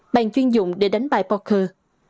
bàn chuyên dụng để đánh bạc poker